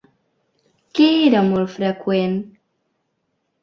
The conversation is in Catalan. Què era molt freqüent?